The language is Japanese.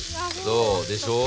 そう。でしょう？